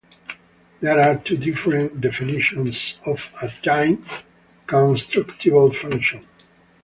There are two different definitions of a time-constructible function.